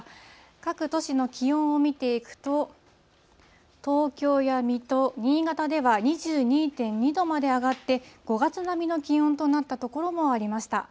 各都市の気温を見ていくと、東京や水戸、新潟では２２．２度まで上がって、５月並みの気温となった所もありました。